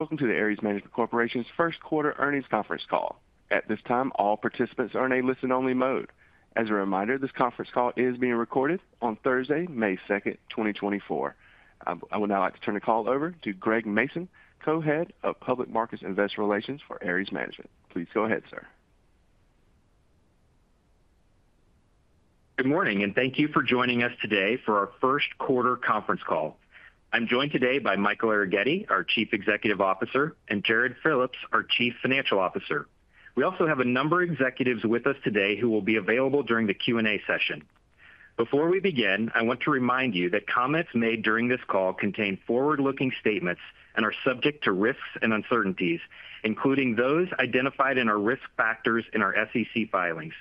Welcome to the Ares Management Corporation's first quarter earnings conference call. At this time, all participants are in a listen-only mode. As a reminder, this conference call is being recorded on Thursday, May 2nd, 2024. I would now like to turn the call over to Greg Mason, Co-Head of Public Markets and Investor Relations for Ares Management. Please go ahead, sir. Good morning, and thank you for joining us today for our first quarter conference call. I'm joined today by Michael Arougheti, our Chief Executive Officer, and Jarrod Phillips, our Chief Financial Officer. We also have a number of executives with us today who will be available during the Q&A session. Before we begin, I want to remind you that comments made during this call contain forward-looking statements and are subject to risks and uncertainties, including those identified in our risk factors in our SEC filings.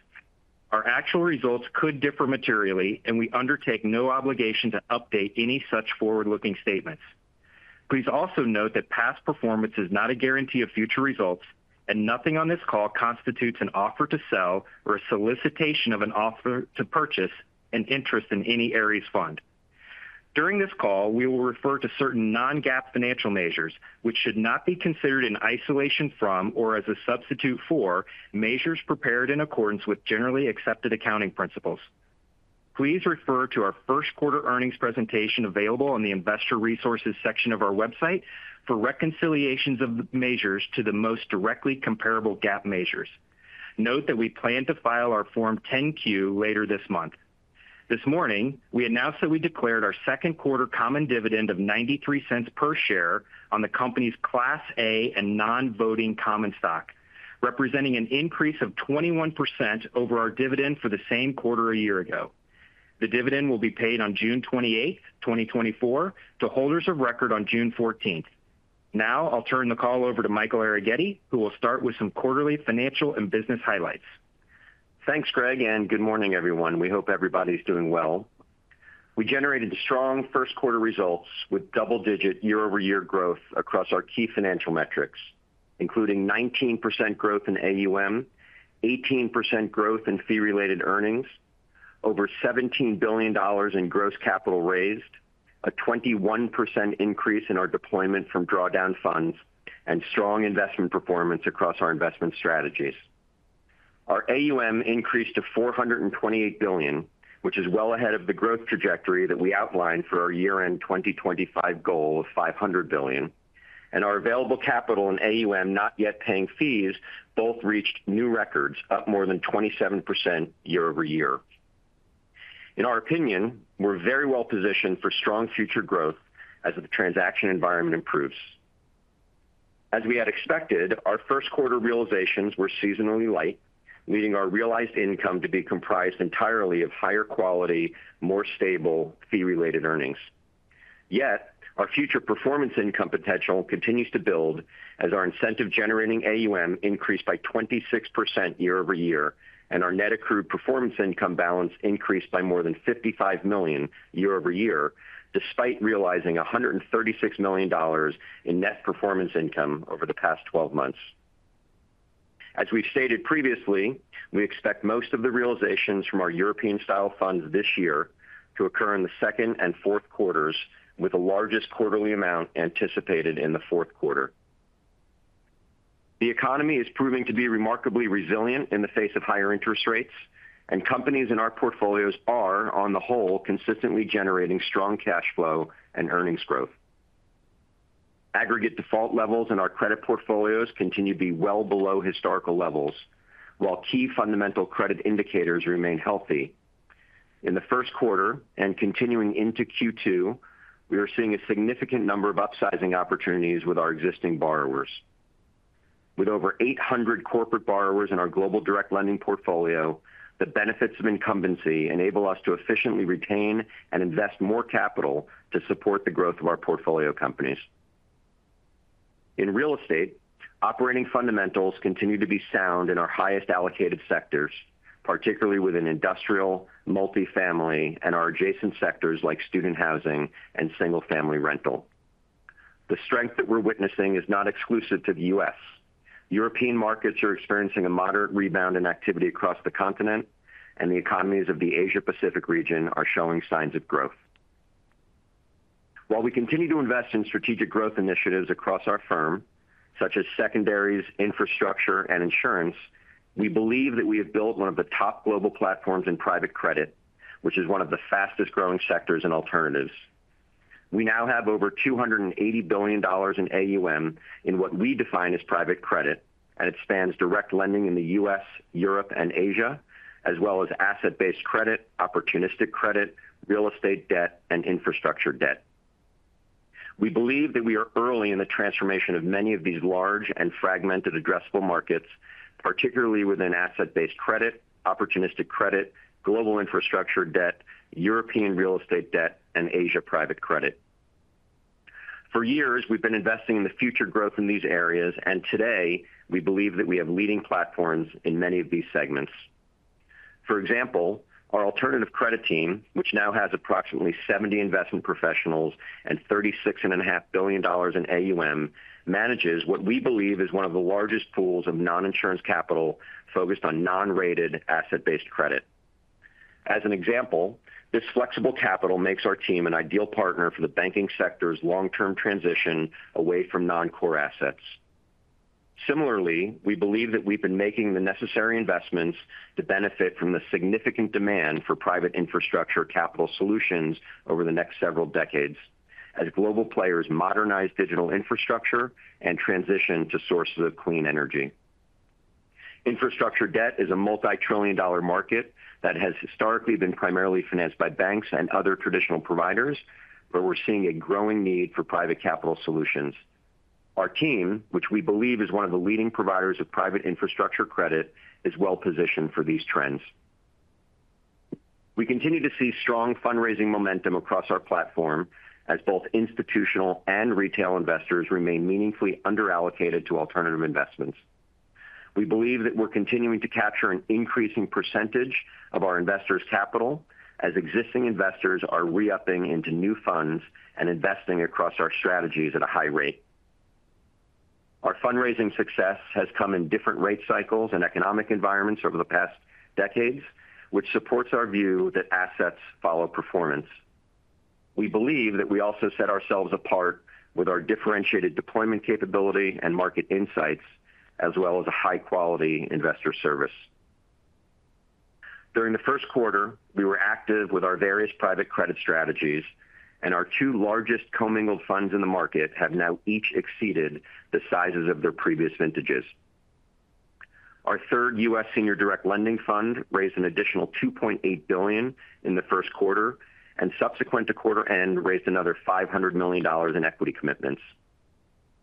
Our actual results could differ materially, and we undertake no obligation to update any such forward-looking statements. Please also note that past performance is not a guarantee of future results, and nothing on this call constitutes an offer to sell or a solicitation of an offer to purchase an interest in any Ares fund. During this call, we will refer to certain non-GAAP financial measures, which should not be considered in isolation from or as a substitute for measures prepared in accordance with generally accepted accounting principles. Please refer to our first quarter earnings presentation available on the Investor Resources section of our website for reconciliations of the measures to the most directly comparable GAAP measures. Note that we plan to file our Form 10-Q later this month. This morning, we announced that we declared our second quarter common dividend of $0.93 per share on the company's Class A and non-voting common stock, representing an increase of 21% over our dividend for the same quarter a year ago. The dividend will be paid on June 28, 2024, to holders of record on June 14. Now, I'll turn the call over to Michael Arougheti, who will start with some quarterly financial and business highlights. Thanks, Greg, and good morning, everyone. We hope everybody's doing well. We generated strong first quarter results with double-digit YoY growth across our key financial metrics, including 19% growth in AUM, 18% growth in fee-related earnings, over $17 billion in gross capital raised, a 21% increase in our deployment from drawdown funds, and strong investment performance across our investment strategies. Our AUM increased to $428 billion, which is well ahead of the growth trajectory that we outlined for our year-end 2025 goal of $500 billion, and our available capital in AUM, not yet paying fees, both reached new records, up more than 27% year over year. In our opinion, we're very well positioned for strong future growth as the transaction environment improves. As we had expected, our first quarter realizations were seasonally light, leading our realized income to be comprised entirely of higher quality, more stable fee-related earnings. Yet, our future performance income potential continues to build as our incentive-generating AUM increased by 26% YoY and our net accrued performance income balance increased by more than $55 million YoY, despite realizing $136 million in net performance income over the past twelve months. As we've stated previously, we expect most of the realizations from our European-style funds this year to occur in the second and fourth quarters, with the largest quarterly amount anticipated in the fourth quarter. The economy is proving to be remarkably resilient in the face of higher interest rates, and companies in our portfolios are, on the whole, consistently generating strong cash flow and earnings growth. Aggregate default levels in our credit portfolios continue to be well below historical levels, while key fundamental credit indicators remain healthy. In the first quarter, and continuing into Q2, we are seeing a significant number of upsizing opportunities with our existing borrowers. With over 800 corporate borrowers in our global direct lending portfolio, the benefits of incumbency enable us to efficiently retain and invest more capital to support the growth of our portfolio companies. In real estate, operating fundamentals continue to be sound in our highest allocated sectors, particularly within industrial, multifamily, and our adjacent sectors like student housing and single-family rental. The strength that we're witnessing is not exclusive to the U.S. European markets are experiencing a moderate rebound in activity across the continent, and the economies of the Asia Pacific region are showing signs of growth. While we continue to invest in strategic growth initiatives across our firm, such as secondaries, infrastructure, and insurance, we believe that we have built one of the top global platforms in private credit, which is one of the fastest growing sectors in alternatives. We now have over $280 billion in AUM in what we define as private credit, and it spans direct lending in the U.S., Europe, and Asia, as well as asset-based credit, opportunistic credit, real estate debt, and infrastructure debt. We believe that we are early in the transformation of many of these large and fragmented addressable markets, particularly within asset-based credit, opportunistic credit, global infrastructure debt, European real estate debt, and Asia private credit. For years, we've been investing in the future growth in these areas, and today, we believe that we have leading platforms in many of these segments. For example, our alternative credit team, which now has approximately 70 investment professionals and $36.5 billion in AUM, manages what we believe is one of the largest pools of non-insurance capital focused on non-rated asset-based credit. As an example, this flexible capital makes our team an ideal partner for the banking sector's long-term transition away from non-core assets. Similarly, we believe that we've been making the necessary investments to benefit from the significant demand for private infrastructure capital solutions over the next several decades, as global players modernize digital infrastructure and transition to sources of clean energy. Infrastructure debt is a multi-trillion-dollar market that has historically been primarily financed by banks and other traditional providers, but we're seeing a growing need for private capital solutions. Our team, which we believe is one of the leading providers of private infrastructure credit, is well positioned for these trends. We continue to see strong fundraising momentum across our platform as both institutional and retail investors remain meaningfully underallocated to alternative investments. We believe that we're continuing to capture an increasing percentage of our investors' capital as existing investors are re-upping into new funds and investing across our strategies at a high rate. Our fundraising success has come in different rate cycles and economic environments over the past decades, which supports our view that assets follow performance. We believe that we also set ourselves apart with our differentiated deployment capability and market insights, as well as a high-quality investor service. During the first quarter, we were active with our various private credit strategies, and our two largest commingled funds in the market have now each exceeded the sizes of their previous vintages. Our third U.S. Senior Direct Lending Fund raised an additional $2.8 billion in the first quarter, and subsequent to quarter end, raised another $500 million in equity commitments.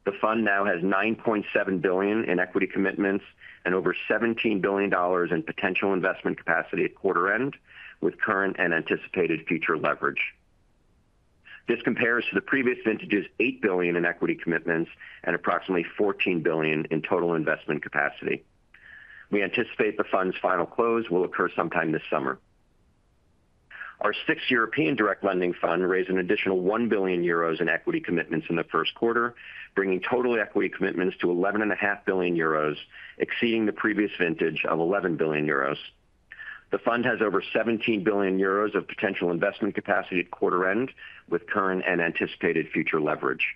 The fund now has $9.7 billion in equity commitments and over $17 billion in potential investment capacity at quarter end, with current and anticipated future leverage. This compares to the previous vintage's $8 billion in equity commitments and approximately $14 billion in total investment capacity. We anticipate the fund's final close will occur sometime this summer. Our sixth European Direct Lending Fund raised an additional 1 billion euros in equity commitments in the first quarter, bringing total equity commitments to 11.5 billion euros, exceeding the previous vintage of 11 billion euros. The fund has over 17 billion euros of potential investment capacity at quarter end, with current and anticipated future leverage.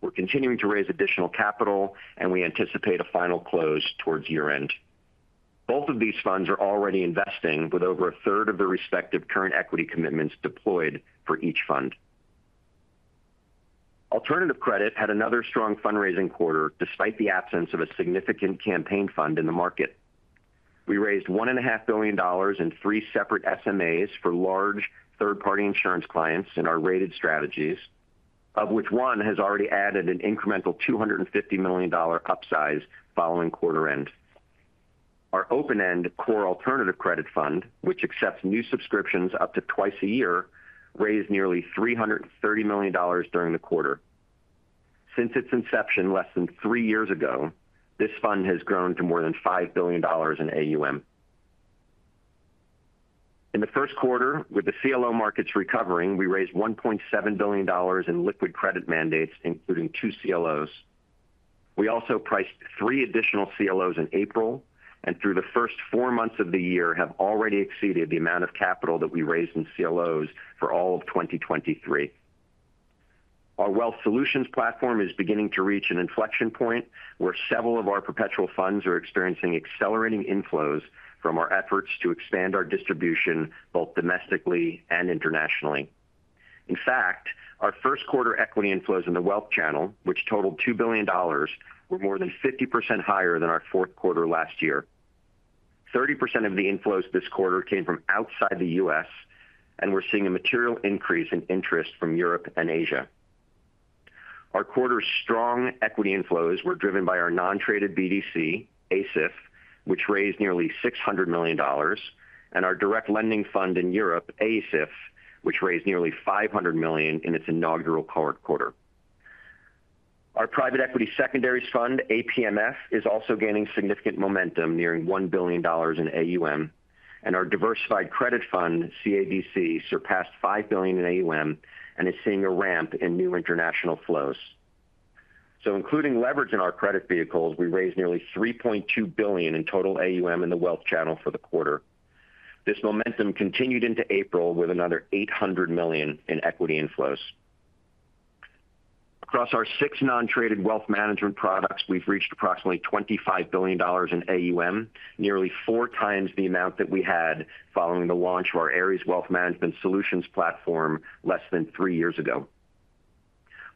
We're continuing to raise additional capital, and we anticipate a final close towards year-end. Both of these funds are already investing, with over a third of their respective current equity commitments deployed for each fund. Alternative credit had another strong fundraising quarter, despite the absence of a significant campaign fund in the market. We raised $1.5 billion in three separate SMAs for large third-party insurance clients in our rated strategies, of which one has already added an incremental $250 million-dollar upsize following quarter end. Our open-end Core Alternative Credit Fund, which accepts new subscriptions up to twice a year, raised nearly $330 million during the quarter. Since its inception less than three years ago, this fund has grown to more than $5 billion in AUM. In the first quarter, with the CLO markets recovering, we raised $1.7 billion in liquid credit mandates, including two CLOs. We also priced three additional CLOs in April, and through the first four months of the year, have already exceeded the amount of capital that we raised in CLOs for all of 2023. Our Wealth Solutions platform is beginning to reach an inflection point where several of our perpetual funds are experiencing accelerating inflows from our efforts to expand our distribution, both domestically and internationally. In fact, our first quarter equity inflows in the wealth channel, which totaled $2 billion, were more than 50% higher than our fourth quarter last year. 30% of the inflows this quarter came from outside the U.S., and we're seeing a material increase in interest from Europe and Asia. Our quarter's strong equity inflows were driven by our non-traded BDC, ASIF, which raised nearly $600 million, and our direct lending fund in Europe, AESIF, which raised nearly 500 million in its inaugural quarter. Our private equity secondaries fund, APMF, is also gaining significant momentum, nearing $1 billion in AUM, and our diversified credit fund, CADC, surpassed $5 billion in AUM and is seeing a ramp in new international flows. So including leverage in our credit vehicles, we raised nearly $3.2 billion in total AUM in the wealth channel for the quarter. This momentum continued into April, with another $800 million in equity inflows. Across our six non-traded wealth management products, we've reached approximately $25 billion in AUM, nearly four times the amount that we had following the launch of our Ares Wealth Management Solutions platform less than three years ago.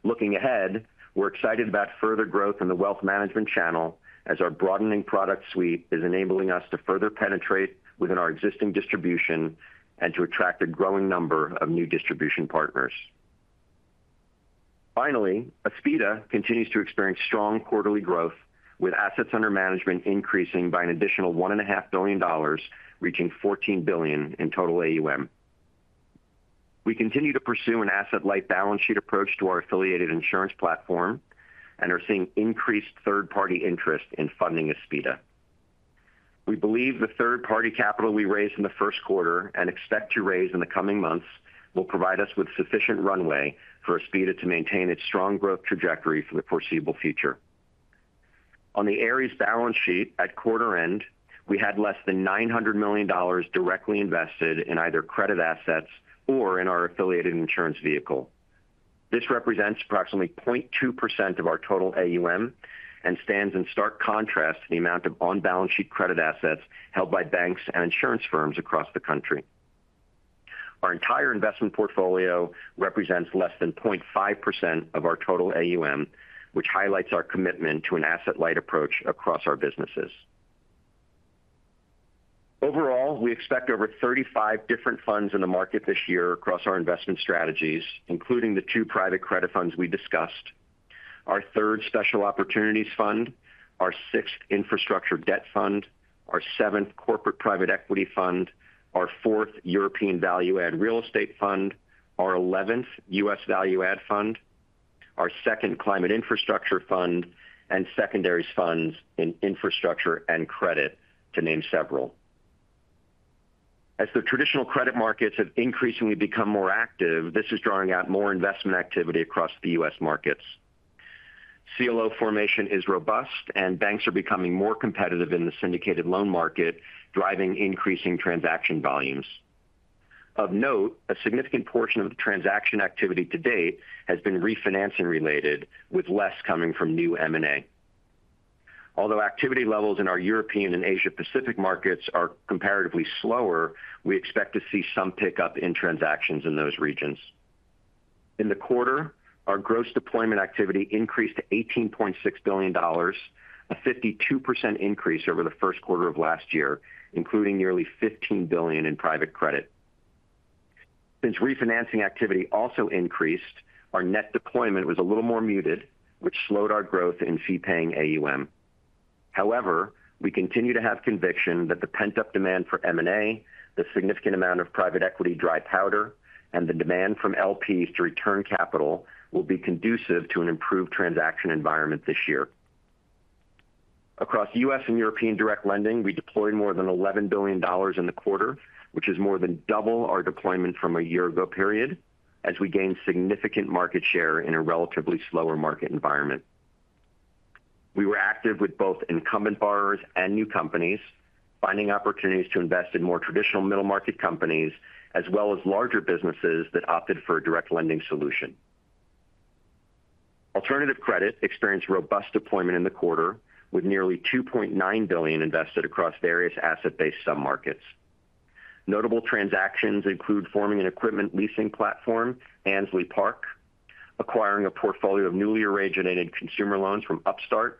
Looking ahead, we're excited about further growth in the wealth management channel as our broadening product suite is enabling us to further penetrate within our existing distribution and to attract a growing number of new distribution partners. Finally, Aspida continues to experience strong quarterly growth, with assets under management increasing by an additional $1.5 billion, reaching $14 billion in total AUM. We continue to pursue an asset-light balance sheet approach to our affiliated insurance platform and are seeing increased third-party interest in funding Aspida. We believe the third-party capital we raised in the first quarter, and expect to raise in the coming months, will provide us with sufficient runway for Aspida to maintain its strong growth trajectory for the foreseeable future. On the Ares balance sheet at quarter end, we had less than $900 million directly invested in either credit assets or in our affiliated insurance vehicle. This represents approximately 0.2% of our total AUM, and stands in stark contrast to the amount of on-balance sheet credit assets held by banks and insurance firms across the country. Our entire investment portfolio represents less than 0.5% of our total AUM, which highlights our commitment to an asset-light approach across our businesses. Overall, we expect over 35 different funds in the market this year across our investment strategies, including the two private credit funds we discussed. Our third special opportunities fund, our sixth infrastructure debt fund, our seventh corporate private equity fund, our fourth European value add real estate fund, our eleventh U.S. value add fund, our second climate infrastructure fund, and secondaries funds in infrastructure and credit, to name several. As the traditional credit markets have increasingly become more active, this is drawing out more investment activity across the U.S. markets. CLO formation is robust, and banks are becoming more competitive in the syndicated loan market, driving increasing transaction volumes. Of note, a significant portion of the transaction activity to date has been refinancing related, with less coming from new M&A. Although activity levels in our European and Asia Pacific markets are comparatively slower, we expect to see some pickup in transactions in those regions. In the quarter, our gross deployment activity increased to $18.6 billion, a 52% increase over the first quarter of last year, including nearly $15 billion in private credit. Since refinancing activity also increased, our net deployment was a little more muted, which slowed our growth in fee-paying AUM. However, we continue to have conviction that the pent-up demand for M&A, the significant amount of private equity dry powder, and the demand from LPs to return capital will be conducive to an improved transaction environment this year. Across U.S. and European direct lending, we deployed more than $11 billion in the quarter, which is more than double our deployment from a year-ago period, as we gained significant market share in a relatively slower market environment. We were active with both incumbent borrowers and new companies, finding opportunities to invest in more traditional middle-market companies, as well as larger businesses that opted for a direct lending solution. Alternative credit experienced robust deployment in the quarter, with nearly $2.9 billion invested across various asset-based submarkets. Notable transactions include forming an equipment leasing platform, Ansley Park, acquiring a portfolio of newly originated consumer loans from Upstart,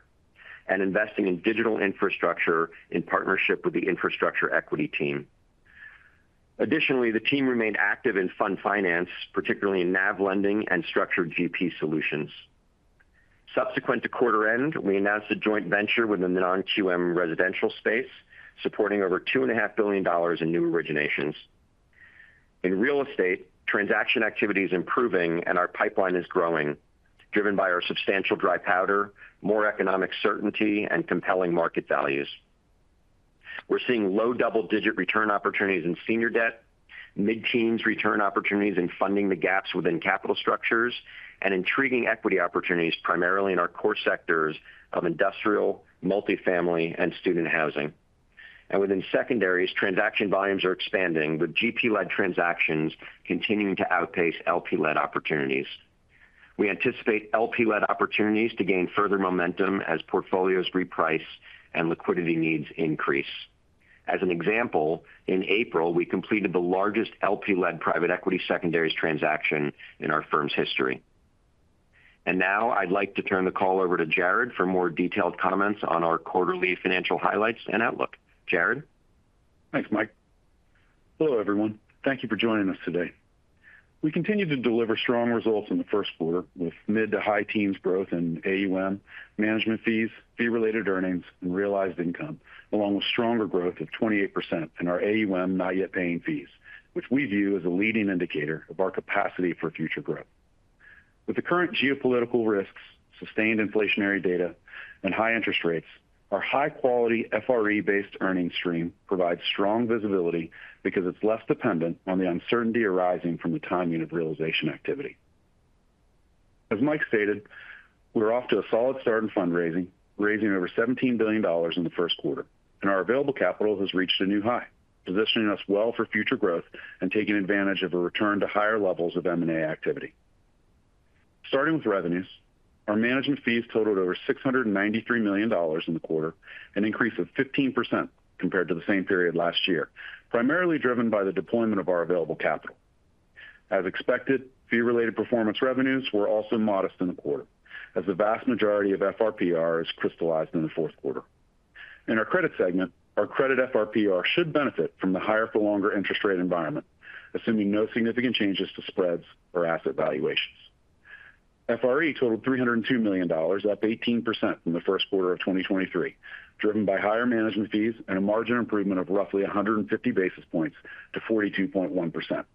and investing in digital infrastructure in partnership with the infrastructure equity team. Additionally, the team remained active in fund finance, particularly in NAV lending and structured GP solutions. Subsequent to quarter end, we announced a joint venture with a non-QM residential space, supporting over $2.5 billion in new originations. In real estate, transaction activity is improving and our pipeline is growing, driven by our substantial dry powder, more economic certainty, and compelling market values. We're seeing low double-digit return opportunities in senior debt, mid-teens return opportunities in funding the gaps within capital structures, and intriguing equity opportunities, primarily in our core sectors of industrial, multifamily, and student housing. And within secondaries, transaction volumes are expanding, with GP-led transactions continuing to outpace LP-led opportunities. We anticipate LP-led opportunities to gain further momentum as portfolios reprice and liquidity needs increase. As an example, in April, we completed the largest LP-led private equity secondaries transaction in our firm's history. And now I'd like to turn the call over to Jarrod for more detailed comments on our quarterly financial highlights and outlook. Jarrod? Thanks, Mike. Hello, everyone. Thank you for joining us today. We continued to deliver strong results in the first quarter, with mid- to high-teens growth in AUM, management fees, fee-related earnings, and realized income, along with stronger growth of 28% in our AUM not yet paying fees, which we view as a leading indicator of our capacity for future growth. With the current geopolitical risks, sustained inflationary data, and high interest rates, our high-quality FRE-based earnings stream provides strong visibility because it's less dependent on the uncertainty arising from the timing of realization activity. As Mike stated, we're off to a solid start in fundraising, raising over $17 billion in the first quarter, and our available capital has reached a new high, positioning us well for future growth and taking advantage of a return to higher levels of M&A activity. Starting with revenues, our management fees totaled over $693 million in the quarter, an increase of 15% compared to the same period last year, primarily driven by the deployment of our available capital. As expected, fee-related performance revenues were also modest in the quarter, as the vast majority of FRPR is crystallized in the fourth quarter. In our credit segment, our credit FRPR should benefit from the higher for longer interest rate environment, assuming no significant changes to spreads or asset valuations. FRE totaled $302 million, up 18% from the first quarter of 2023, driven by higher management fees and a margin improvement of roughly 150 basis points to 42.1%.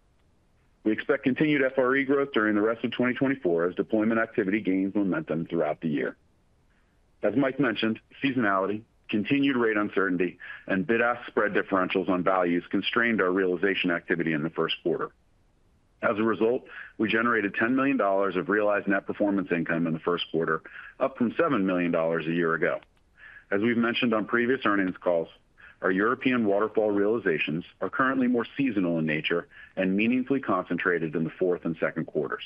We expect continued FRE growth during the rest of 2024 as deployment activity gains momentum throughout the year. As Mike mentioned, seasonality, continued rate uncertainty, and bid-ask spread differentials on values constrained our realization activity in the first quarter. As a result, we generated $10 million of realized net performance income in the first quarter, up from $7 million a year ago. As we've mentioned on previous earnings calls, our European waterfall realizations are currently more seasonal in nature and meaningfully concentrated in the fourth and second quarters.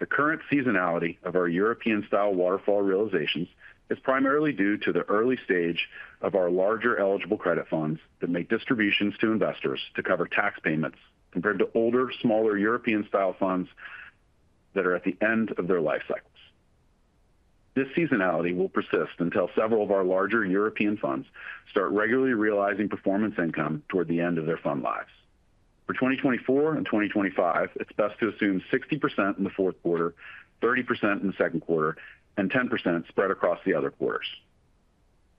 The current seasonality of our European-style waterfall realizations is primarily due to the early stage of our larger eligible credit funds that make distributions to investors to cover tax payments, compared to older, smaller European-style funds that are at the end of their life cycles. This seasonality will persist until several of our larger European funds start regularly realizing performance income toward the end of their fund lives. For 2024 and 2025, it's best to assume 60% in the fourth quarter, 30% in the second quarter, and 10% spread across the other quarters.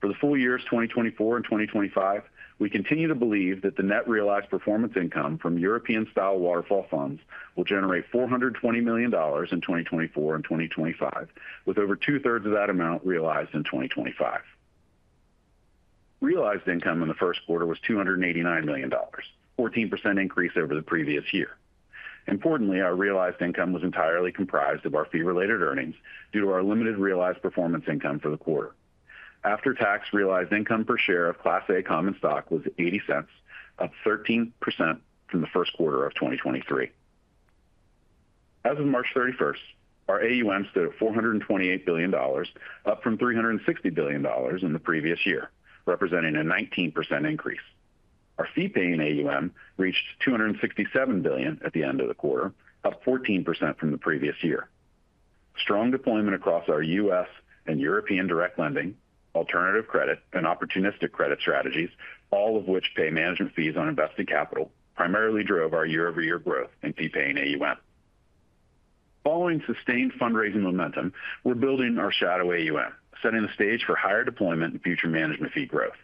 For the full years 2024 and 2025, we continue to believe that the net realized performance income from European-style waterfall funds will generate $420 million in 2024 and 2025, with over two-thirds of that amount realized in 2025. Realized income in the first quarter was $289 million, 14% increase over the previous year. Importantly, our realized income was entirely comprised of our fee-related earnings due to our limited realized performance income for the quarter. After-tax realized income per share of Class A common stock was $0.80, up 13% from the first quarter of 2023. As of March 31st, our AUM stood at $428 billion, up from $360 billion in the previous year, representing a 19% increase. Our fee-paying AUM reached $267 billion at the end of the quarter, up 14% from the previous year. Strong deployment across our U.S. and European direct lending, alternative credit, and opportunistic credit strategies, all of which pay management fees on invested capital, primarily drove our YoY growth in fee-paying AUM. Following sustained fundraising momentum, we're building our shadow AUM, setting the stage for higher deployment and future management fee growth.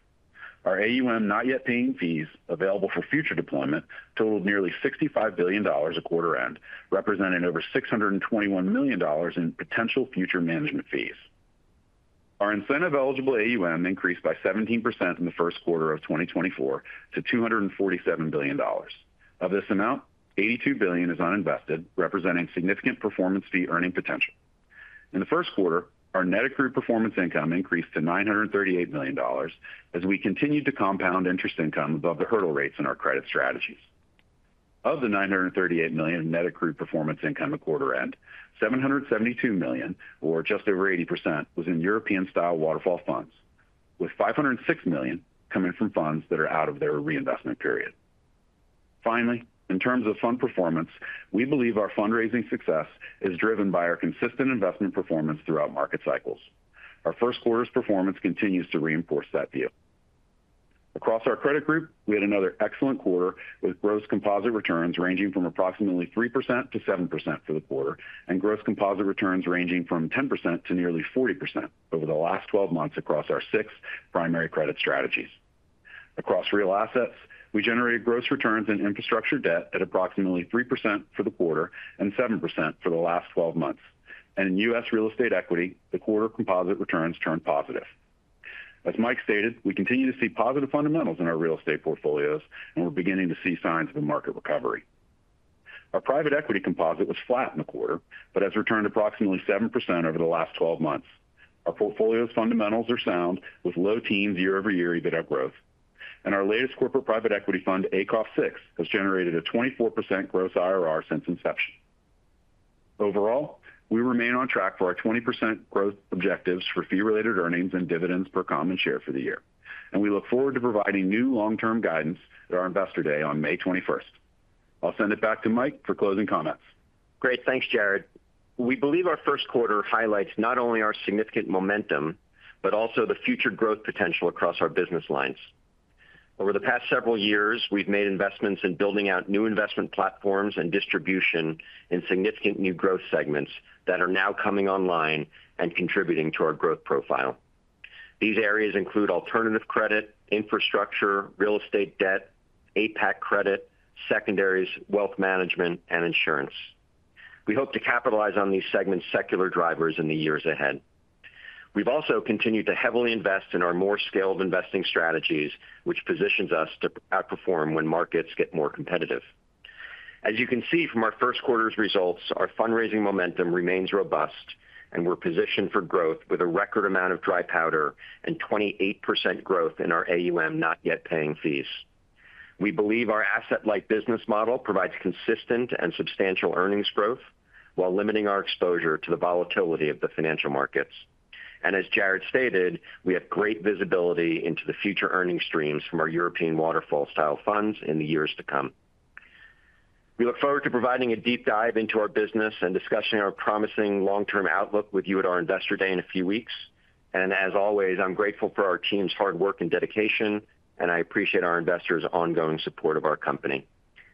Our AUM, not yet paying fees available for future deployment, totaled nearly $65 billion at quarter end, representing over $621 million in potential future management fees. Our incentive-eligible AUM increased by 17% in the first quarter of 2024 to $247 billion. Of this amount, $82 billion is uninvested, representing significant performance fee earning potential. In the first quarter, our net accrued performance income increased to $938 million as we continued to compound interest income above the hurdle rates in our credit strategies. Of the $938 million in net accrued performance income at quarter end, $772 million, or just over 80%, was in European-style waterfall funds, with $506 million coming from funds that are out of their reinvestment period. Finally, in terms of fund performance, we believe our fundraising success is driven by our consistent investment performance throughout market cycles. Our first quarter's performance continues to reinforce that view. Across our credit group, we had another excellent quarter, with gross composite returns ranging from approximately 3%-7% for the quarter, and gross composite returns ranging from 10% to nearly 40% over the last twelve months across our six primary credit strategies. Across real assets, we generated gross returns in infrastructure debt at approximately 3% for the quarter and 7% for the last twelve months. In U.S. real estate equity, the quarter composite returns turned positive. As Mike stated, we continue to see positive fundamentals in our real estate portfolios, and we're beginning to see signs of a market recovery. Our private equity composite was flat in the quarter, but has returned approximately 7% over the last twelve months. Our portfolio's fundamentals are sound, with low teens YoY EBITDA growth. Our latest corporate private equity fund, ACOF VI, has generated a 24% gross IRR since inception. Overall, we remain on track for our 20% growth objectives for fee-related earnings and dividends per common share for the year, and we look forward to providing new long-term guidance at our Investor Day on May 21st. I'll send it back to Mike for closing comments. Great. Thanks, Jarrod. We believe our first quarter highlights not only our significant momentum, but also the future growth potential across our business lines. Over the past several years, we've made investments in building out new investment platforms and distribution in significant new growth segments that are now coming online and contributing to our growth profile. These areas include alternative credit, infrastructure, real estate debt, APAC credit, secondaries, wealth management, and insurance. We hope to capitalize on these segments' secular drivers in the years ahead. We've also continued to heavily invest in our more scaled investing strategies, which positions us to outperform when markets get more competitive. As you can see from our first quarter's results, our fundraising momentum remains robust, and we're positioned for growth with a record amount of dry powder and 28% growth in our AUM, not yet paying fees. We believe our asset-light business model provides consistent and substantial earnings growth while limiting our exposure to the volatility of the financial markets. And as Jarrod stated, we have great visibility into the future earnings streams from our European waterfall-style funds in the years to come. We look forward to providing a deep dive into our business and discussing our promising long-term outlook with you at our Investor Day in a few weeks. And as always, I'm grateful for our team's hard work and dedication, and I appreciate our investors' ongoing support of our company.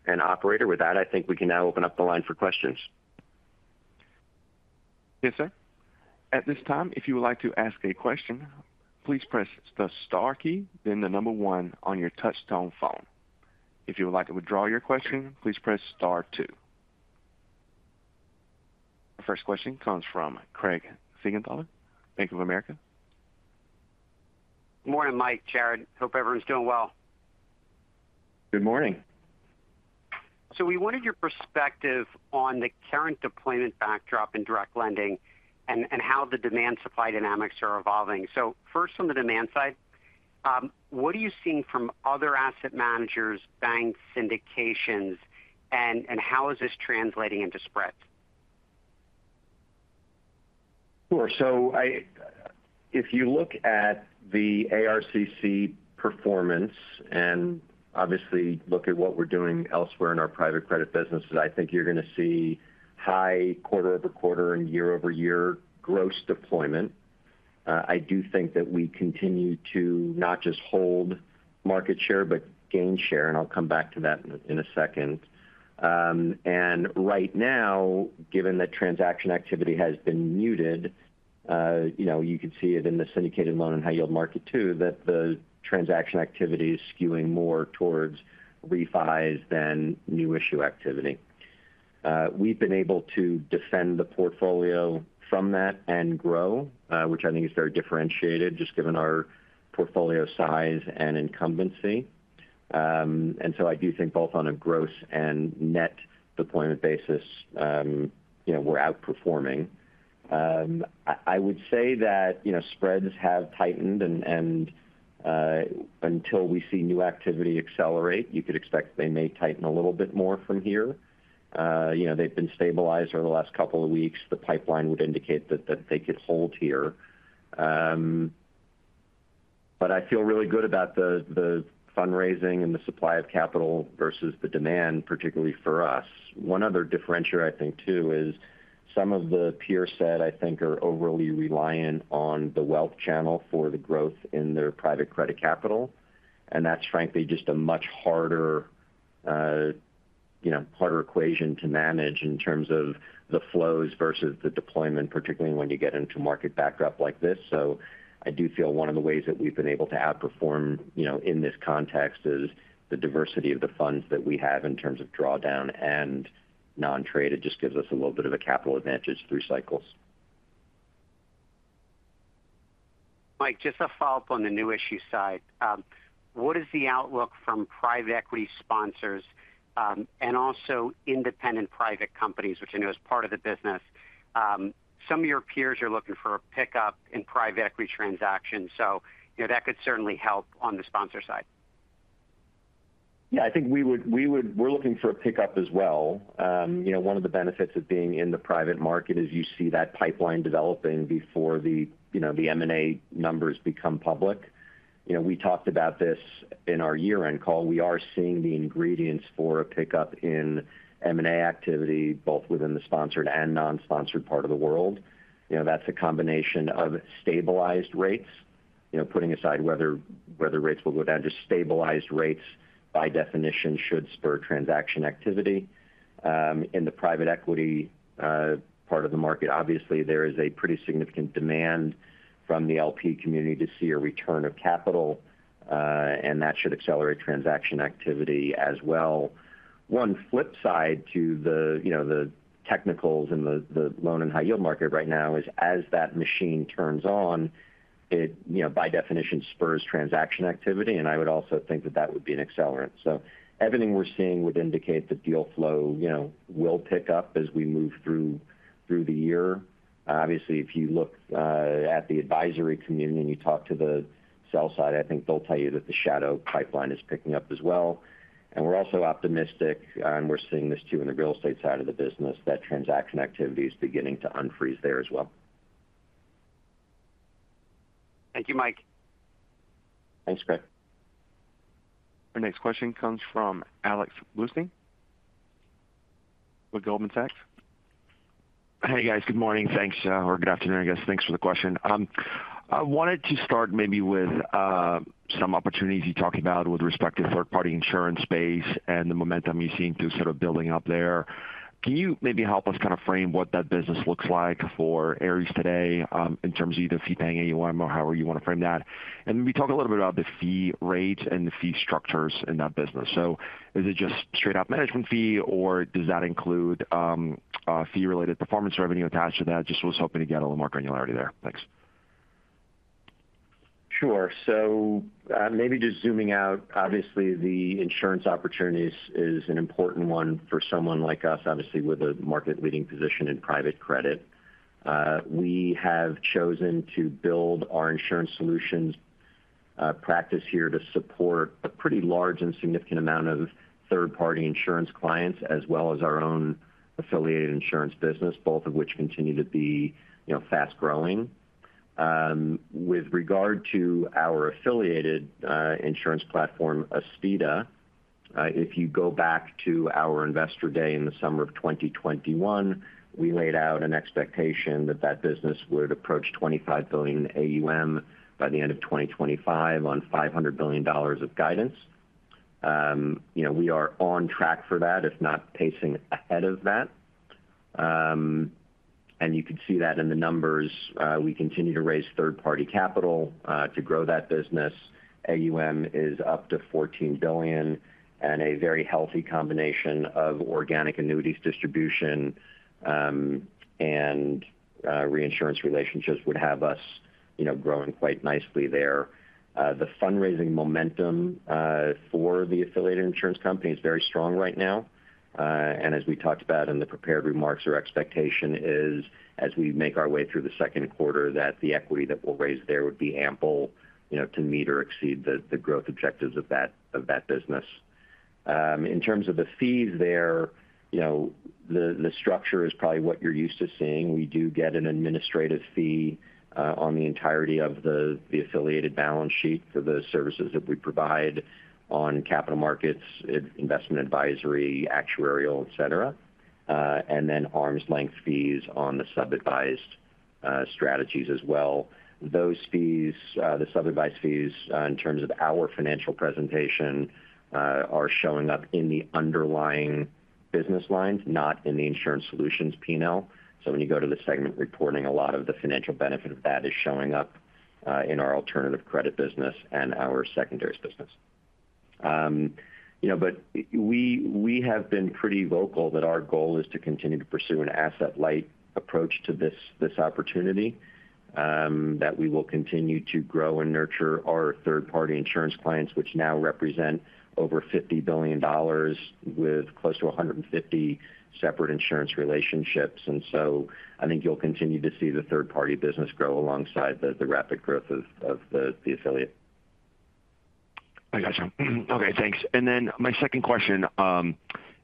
And Operator, with that, I think we can now open up the line for questions. Yes, sir. At this time, if you would like to ask a question, please press the star key, then the number one on your touchtone phone. If you would like to withdraw your question, please press star two.... Our first question comes from Craig Siegenthaler, Bank of America. Good morning, Mike, Jarrod. Hope everyone's doing well. Good morning. We wanted your perspective on the current deployment backdrop in direct lending and, and how the demand supply dynamics are evolving. First, on the demand side, what are you seeing from other asset managers, banks, syndications, and, and how is this translating into spreads? Sure. So if you look at the ARCC performance, and obviously look at what we're doing elsewhere in our private credit businesses, I think you're going to see high QoQ and YoY gross deployment. I do think that we continue to not just hold market share, but gain share, and I'll come back to that in a second. And right now, given that transaction activity has been muted, you know, you can see it in the syndicated loan and high yield market, too, that the transaction activity is skewing more towards refis than new issue activity. We've been able to defend the portfolio from that and grow, which I think is very differentiated, just given our portfolio size and incumbency. And so I do think both on a gross and net deployment basis, you know, we're outperforming. I would say that, you know, spreads have tightened, and until we see new activity accelerate, you could expect they may tighten a little bit more from here. You know, they've been stabilized over the last couple of weeks. The pipeline would indicate that they could hold here. But I feel really good about the fundraising and the supply of capital versus the demand, particularly for us. One other differentiator, I think, too, is some of the peer set, I think, are overly reliant on the wealth channel for the growth in their private credit capital, and that's frankly, just a much harder, you know, harder equation to manage in terms of the flows versus the deployment, particularly when you get into market backdrop like this. So I do feel one of the ways that we've been able to outperform, you know, in this context, is the diversity of the funds that we have in terms of drawdown and non-trade. It just gives us a little bit of a capital advantage through cycles. Mike, just a follow-up on the new issue side. What is the outlook from private equity sponsors, and also independent private companies, which I know is part of the business? Some of your peers are looking for a pickup in private equity transactions, so, you know, that could certainly help on the sponsor side. Yeah, I think we're looking for a pickup as well. You know, one of the benefits of being in the private market is you see that pipeline developing before the, you know, the M&A numbers become public. You know, we talked about this in our year-end call. We are seeing the ingredients for a pickup in M&A activity, both within the sponsored and non-sponsored part of the world. You know, that's a combination of stabilized rates, you know, putting aside whether rates will go down. Just stabilized rates, by definition, should spur transaction activity. In the private equity part of the market, obviously, there is a pretty significant demand from the LP community to see a return of capital, and that should accelerate transaction activity as well. One flip side to the, you know, the technicals and the loan and high yield market right now is, as that machine turns on, it, you know, by definition, spurs transaction activity, and I would also think that that would be an accelerant. So everything we're seeing would indicate that deal flow, you know, will pick up as we move through the year. Obviously, if you look at the advisory community and you talk to the sell side, I think they'll tell you that the shadow pipeline is picking up as well. And we're also optimistic, and we're seeing this, too, in the real estate side of the business, that transaction activity is beginning to unfreeze there as well. Thank you, Mike. Thanks, Craig. Our next question comes from Alex Blostein with Goldman Sachs. Hey, guys. Good morning. Thanks, or good afternoon, I guess. Thanks for the question. I wanted to start maybe with some opportunities you talked about with respect to third-party insurance space and the momentum you seem to be sort of building up there. Can you maybe help us kind of frame what that business looks like for Ares today, in terms of either fee-paying AUM or however you want to frame that? And maybe talk a little bit about the fee rate and the fee structures in that business. So is it just straight up management fee, or does that include a fee-related performance revenue attached to that? Just was hoping to get a little more granularity there. Thanks. Sure. So, maybe just zooming out. Obviously, the insurance opportunities is an important one for someone like us, obviously, with a market-leading position in private credit. We have chosen to build our insurance solutions practice here to support a pretty large and significant amount of third-party insurance clients, as well as our own affiliated insurance business, both of which continue to be, you know, fast growing. With regard to our affiliated insurance platform, Aspida, if you go back to our investor day in the summer of 2021, we laid out an expectation that that business would approach 25 billion AUM by the end of 2025 on $500 billion of guidance. You know, we are on track for that, if not pacing ahead of that. And you can see that in the numbers. We continue to raise third-party capital to grow that business. AUM is up to $14 billion, and a very healthy combination of organic annuities distribution and reinsurance relationships would have us you know, growing quite nicely there. The fundraising momentum for the affiliated insurance company is very strong right now. And as we talked about in the prepared remarks, our expectation is, as we make our way through the second quarter, that the equity that we'll raise there would be ample, you know, to meet or exceed the, the growth objectives of that, of that business. In terms of the fees there, you know, the, the structure is probably what you're used to seeing. We do get an administrative fee on the entirety of the affiliated balance sheet for the services that we provide on capital markets, investment advisory, actuarial, et cetera, and then arm's-length fees on the sub-advised strategies as well. Those fees, the sub-advised fees, in terms of our financial presentation, are showing up in the underlying business lines, not in the insurance solutions P&L. So when you go to the segment reporting, a lot of the financial benefit of that is showing up in our alternative credit business and our secondaries business. You know, but we have been pretty vocal that our goal is to continue to pursue an asset-light approach to this opportunity, that we will continue to grow and nurture our third-party insurance clients, which now represent over $50 billion with close to 150 separate insurance relationships. And so I think you'll continue to see the third-party business grow alongside the rapid growth of the affiliate. I got you. Okay, thanks. And then my second question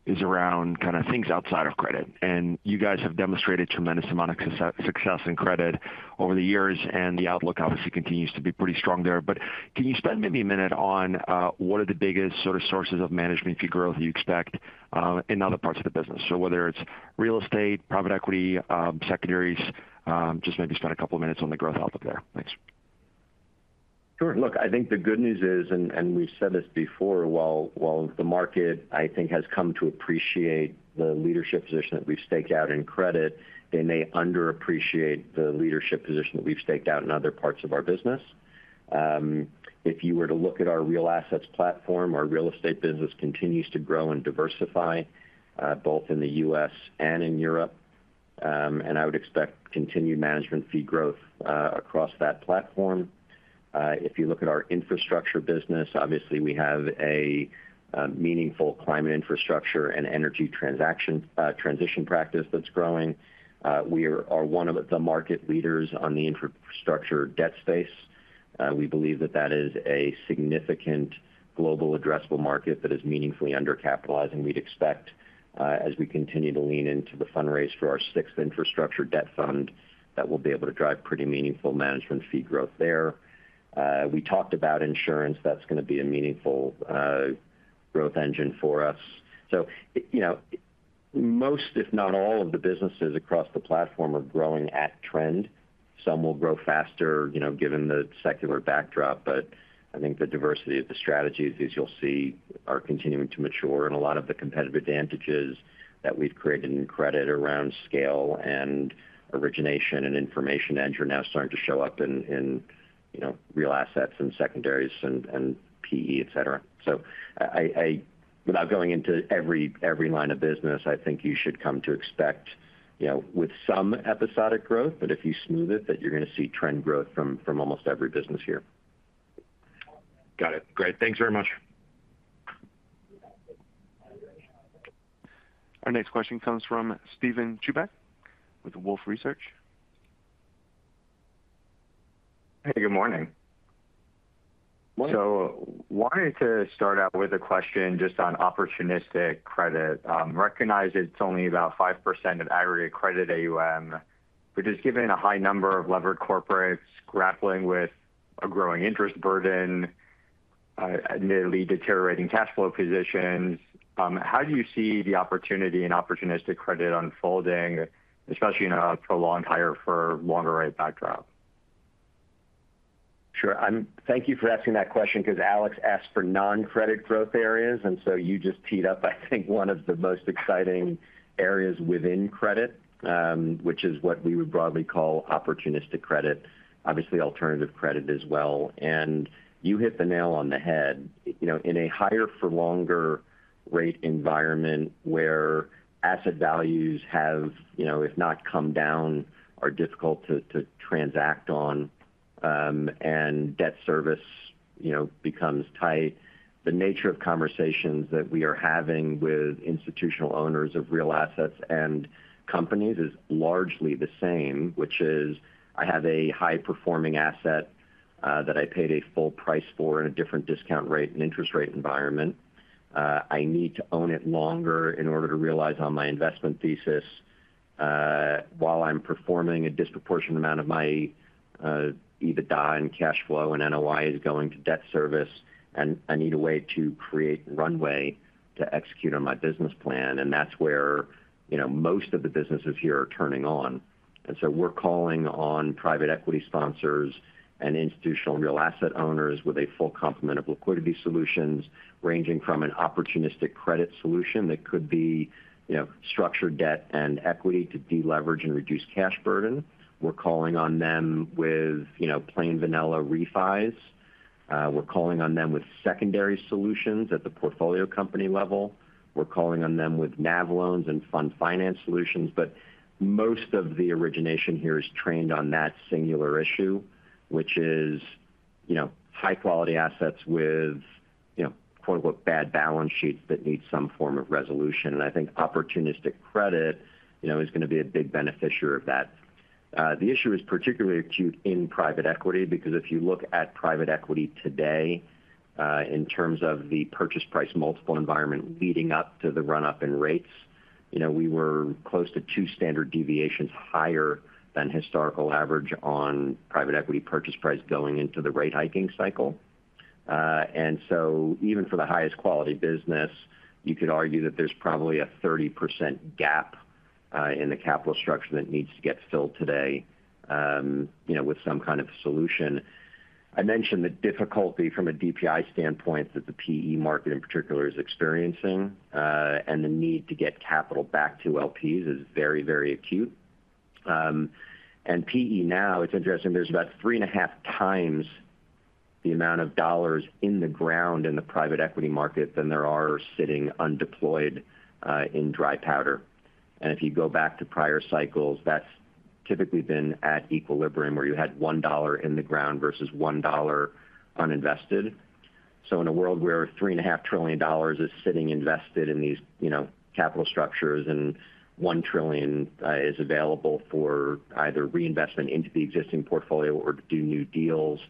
is around kind of things outside of credit. And you guys have demonstrated tremendous amount of success in credit over the years, and the outlook obviously continues to be pretty strong there. But can you spend maybe a minute on what are the biggest sort of sources of management fee growth you expect in other parts of the business? So whether it's real estate, private equity, secondaries, just maybe spend a couple of minutes on the growth outlook there. Thanks. Sure. Look, I think the good news is, and we've said this before, while the market, I think, has come to appreciate the leadership position that we've staked out in credit, they may underappreciate the leadership position that we've staked out in other parts of our business. If you were to look at our real assets platform, our real estate business continues to grow and diversify both in the U.S. and in Europe. And I would expect continued management fee growth across that platform. If you look at our infrastructure business, obviously, we have a meaningful climate infrastructure and energy transition practice that's growing. We are one of the market leaders on the infrastructure debt space. We believe that that is a significant global addressable market that is meaningfully undercapitalized, and we'd expect, as we continue to lean into the fundraise for our sixth infrastructure debt fund, that we'll be able to drive pretty meaningful management fee growth there. We talked about insurance. That's going to be a meaningful growth engine for us. So, you know, most, if not all, of the businesses across the platform are growing at trend. Some will grow faster, you know, given the secular backdrop, but I think the diversity of the strategies, as you'll see, are continuing to mature. And a lot of the competitive advantages that we've created in credit around scale and origination and information edge are now starting to show up in, you know, real assets and secondaries and PE, et cetera. Without going into every line of business, I think you should come to expect, you know, with some episodic growth, but if you smooth it, that you're going to see trend growth from almost every business here. Got it. Great. Thanks very much. Our next question comes from Steven Chubak with Wolfe Research. Hey, good morning. Morning. So wanted to start out with a question just on opportunistic credit. Recognize it's only about 5% of aggregate credit AUM, but just given a high number of levered corporates grappling with a growing interest burden, admittedly deteriorating cash flow positions, how do you see the opportunity in opportunistic credit unfolding, especially in a prolonged higher for longer rate backdrop? Sure. Thank you for asking that question, because Alex asked for non-credit growth areas, and so you just teed up, I think, one of the most exciting areas within credit, which is what we would broadly call opportunistic credit, obviously alternative credit as well. And you hit the nail on the head. You know, in a higher for longer rate environment, where asset values have, you know, if not come down, are difficult to transact on, and debt service, you know, becomes tight, the nature of conversations that we are having with institutional owners of real assets and companies is largely the same, which is: I have a high-performing asset, that I paid a full price for in a different discount rate and interest rate environment. I need to own it longer in order to realize on my investment thesis, while I'm performing a disproportionate amount of my EBITDA and cash flow and NOI is going to debt service, and I need a way to create runway to execute on my business plan. And that's where, you know, most of the businesses here are turning on. And so we're calling on private equity sponsors and institutional real asset owners with a full complement of liquidity solutions, ranging from an opportunistic credit solution that could be, you know, structured debt and equity to deleverage and reduce cash burden. We're calling on them with, you know, plain vanilla refis. We're calling on them with secondary solutions at the portfolio company level. We're calling on them with NAV loans and fund finance solutions. But most of the origination here is trained on that singular issue, which is, you know, high-quality assets with, you know, quote-unquote, "bad balance sheets" that need some form of resolution. And I think opportunistic credit, you know, is gonna be a big beneficiary of that. The issue is particularly acute in private equity, because if you look at private equity today, in terms of the purchase price multiple environment leading up to the run-up in rates, you know, we were close to two standard deviations higher than historical average on private equity purchase price going into the rate hiking cycle. And so even for the highest quality business, you could argue that there's probably a 30% gap, in the capital structure that needs to get filled today, you know, with some kind of solution. I mentioned the difficulty from a DPI standpoint, that the PE market, in particular, is experiencing, and the need to get capital back to LPs is very, very acute. And PE now, it's interesting, there's about 3.5 times the amount of dollars in the ground in the private equity market than there are sitting undeployed in dry powder. And if you go back to prior cycles, that's typically been at equilibrium, where you had one dollar in the ground versus one dollar uninvested. So in a world where $3.5 trillion is sitting invested in these, you know, capital structures, and $1 trillion is available for either reinvestment into the existing portfolio or to do new deals,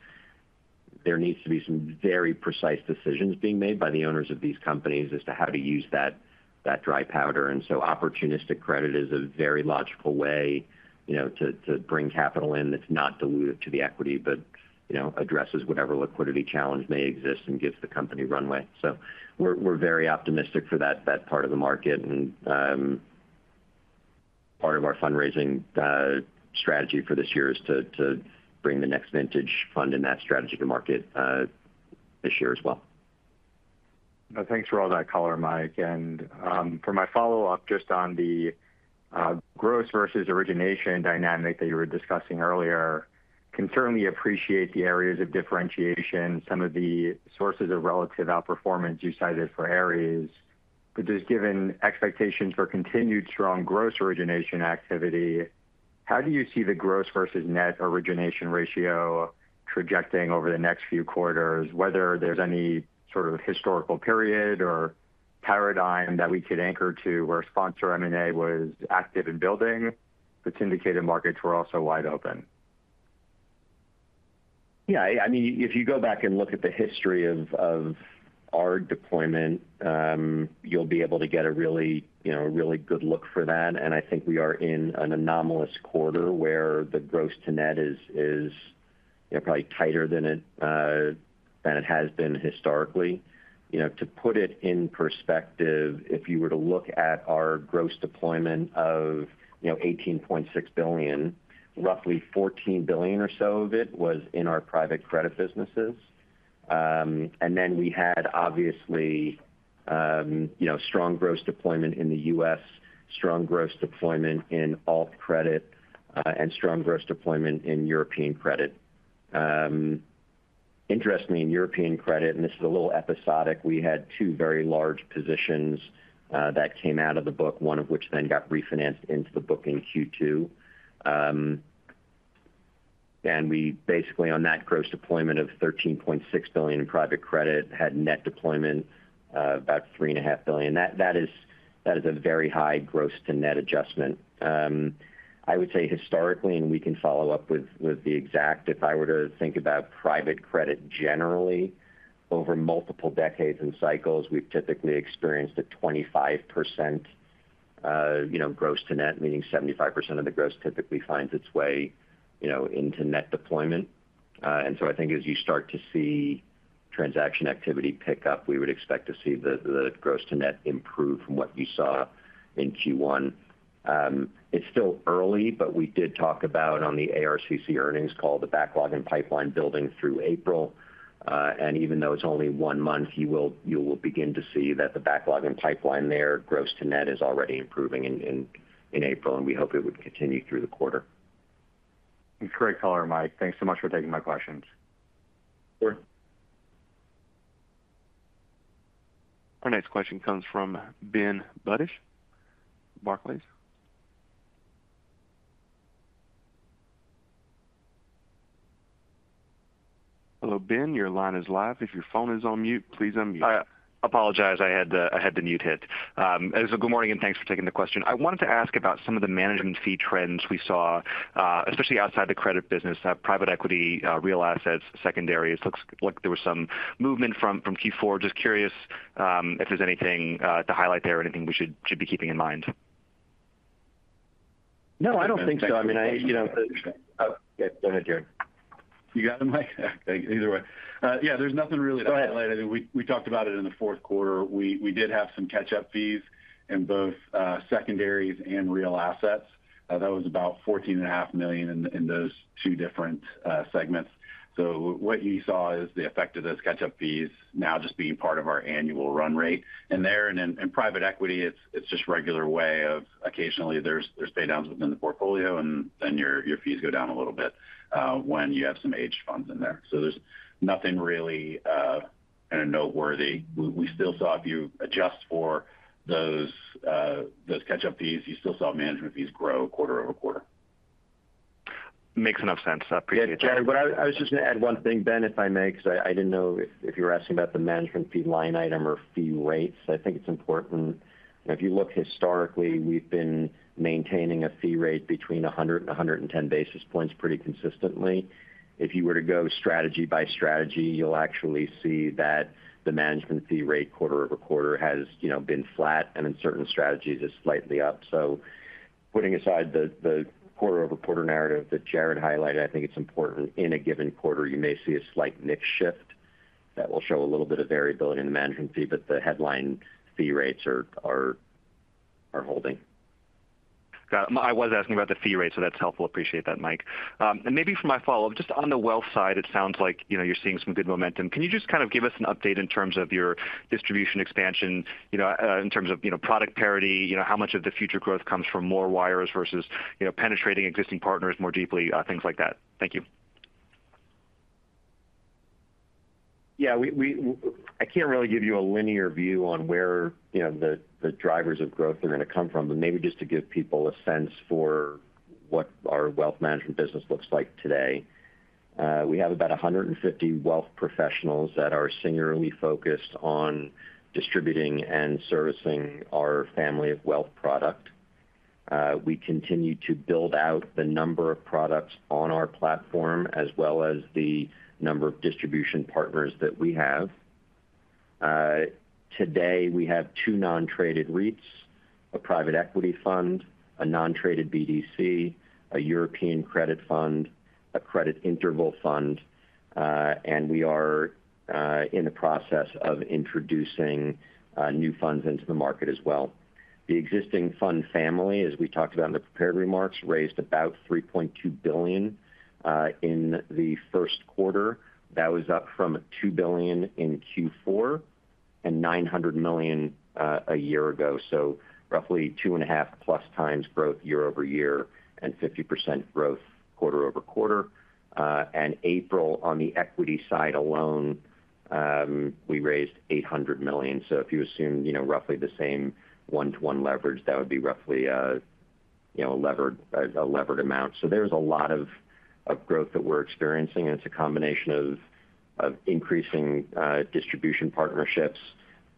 there needs to be some very precise decisions being made by the owners of these companies as to how to use that, that dry powder. And so opportunistic credit is a very logical way, you know, to, to bring capital in that's not diluted to the equity, but, you know, addresses whatever liquidity challenge may exist and gives the company runway. So we're, we're very optimistic for that, that part of the market. And, part of our fundraising strategy for this year is to, to bring the next vintage fund in that strategy to market, this year as well. Thanks for all that color, Mike. For my follow-up, just on the gross versus origination dynamic that you were discussing earlier, I can certainly appreciate the Ares areas of differentiation, some of the sources of relative outperformance you cited for Ares. But just given expectations for continued strong gross origination activity, how do you see the gross versus net origination ratio trajecting over the next few quarters? Whether there's any sort of historical period or paradigm that we could anchor to, where sponsor M&A was active in building, but syndicated markets were also wide open. Yeah, I mean, if you go back and look at the history of our deployment, you'll be able to get a really, you know, a really good look for that. And I think we are in an anomalous quarter where the gross to net is, you know, probably tighter than it has been historically. You know, to put it in perspective, if you were to look at our gross deployment of, you know, $18.6 billion, roughly $14 billion or so of it was in our private credit businesses. And then we had obviously, you know, strong gross deployment in the U.S., strong gross deployment in alt credit, and strong gross deployment in European credit. Interestingly, in European credit, and this is a little episodic, we had two very large positions that came out of the book, one of which then got refinanced into the book in Q2. And we basically, on that gross deployment of $13.6 billion in private credit, had net deployment about $3.5 billion. That is a very high gross to net adjustment. I would say historically, and we can follow up with the exact... If I were to think about private credit generally, over multiple decades and cycles, we've typically experienced a 25%, you know, gross to net, meaning 75% of the gross typically finds its way, you know, into net deployment. And so I think as you start to see transaction activity pick up, we would expect to see the gross to net improve from what you saw in Q1. It's still early, but we did talk about, on the ARCC earnings call, the backlog and pipeline building through April. And even though it's only one month, you will begin to see that the backlog and pipeline there, gross to net, is already improving in April, and we hope it would continue through the quarter. Great color, Mike. Thanks so much for taking my questions. Sure. Our next question comes from Ben Budish, Barclays. Hello, Ben, your line is live. If your phone is on mute, please unmute. I apologize. I had the mute hit. Good morning, and thanks for taking the question. I wanted to ask about some of the management fee trends we saw, especially outside the credit business, private equity, real assets, secondaries. Looks like there was some movement from Q4. Just curious, if there's anything to highlight there or anything we should be keeping in mind? No, I don't think so. I mean, I, you know... Yeah, go ahead, Jarrod. You got it, Mike? Either way. Yeah, there's nothing really to highlight. Go ahead. We talked about it in the fourth quarter. We did have some catch-up fees in both secondaries and real assets. That was about $14.5 million in those two different segments. So what you saw is the effect of those catch-up fees now just being part of our annual run rate. And there in private equity, it's just regular way of occasionally there's paydowns within the portfolio, and then your fees go down a little bit when you have some aged funds in there. So there's nothing really... and are noteworthy. We still saw if you adjust for those, those catch-up fees, you still saw management fees grow QoQ. Makes enough sense. I appreciate that. Yeah, Jarrod, but I was just going to add one thing, Ben, if I may, because I didn't know if you were asking about the management fee line item or fee rates. I think it's important. If you look historically, we've been maintaining a fee rate between 100 and 110 basis points pretty consistently. If you were to go strategy by strategy, you'll actually see that the management fee rate QoQ has, you know, been flat, and in certain strategies, it's slightly up. So putting aside the QoQ narrative that Jarrod highlighted, I think it's important in a given quarter, you may see a slight mix shift that will show a little bit of variability in the management fee, but the headline fee rates are holding. Got it. I was asking about the fee rate, so that's helpful. Appreciate that, Mike. And maybe for my follow-up, just on the wealth side, it sounds like, you know, you're seeing some good momentum. Can you just kind of give us an update in terms of your distribution expansion, you know, in terms of, you know, product parity? You know, how much of the future growth comes from more wires versus, you know, penetrating existing partners more deeply, things like that. Thank you. Yeah, I can't really give you a linear view on where, you know, the drivers of growth are going to come from. But maybe just to give people a sense for what our wealth management business looks like today. We have about 150 wealth professionals that are singularly focused on distributing and servicing our family of wealth product. We continue to build out the number of products on our platform, as well as the number of distribution partners that we have. Today, we have two non-traded REITs, a private equity fund, a non-traded BDC, a European credit fund, a credit interval fund, and we are in the process of introducing new funds into the market as well. The existing fund family, as we talked about in the prepared remarks, raised about $3.2 billion in the first quarter. That was up from $2 billion in Q4 and $900 million a year ago. So roughly 2.5+ times growth YoY, and 50% growth QoQ. And April, on the equity side alone, we raised $800 million. So if you assume, you know, roughly the same 1:1 leverage, that would be roughly a, you know, a levered, a levered amount. So there's a lot of growth that we're experiencing, and it's a combination of increasing distribution partnerships,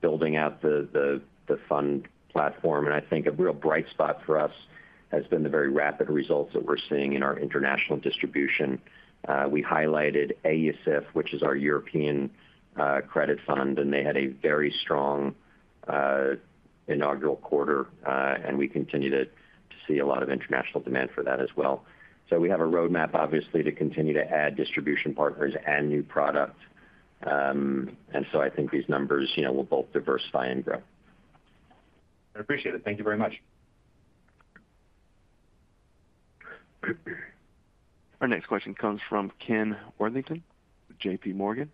building out the fund platform. And I think a real bright spot for us has been the very rapid results that we're seeing in our international distribution. We highlighted AESIF, which is our European credit fund, and they had a very strong inaugural quarter, and we continue to see a lot of international demand for that as well. So we have a roadmap, obviously, to continue to add distribution partners and new product. And so I think these numbers, you know, will both diversify and grow. I appreciate it. Thank you very much. Our next question comes from Ken Worthington with JPMorgan.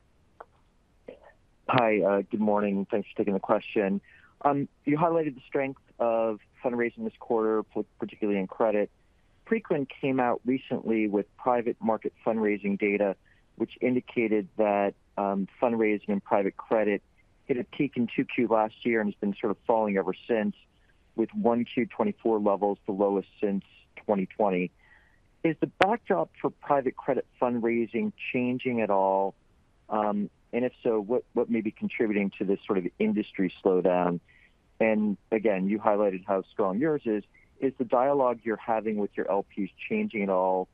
Hi, good morning, and thanks for taking the question. You highlighted the strength of fundraising this quarter, particularly in credit. Preqin came out recently with private market fundraising data, which indicated that fundraising and private credit hit a peak in Q2 last year and has been sort of falling ever since, with Q1 2024 levels, the lowest since 2020. Is the backdrop for private credit fundraising changing at all? And if so, what may be contributing to this sort of industry slowdown? And again, you highlighted how strong yours is. Is the dialogue you're having with your LPs changing at all